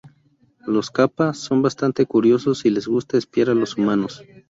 Los "kappa" son bastante curiosos y les gusta espiar a los humanos.